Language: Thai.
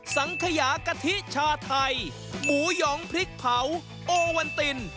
สังขยากะทิชาไทยหมูหยองพริกเผาโอวันติน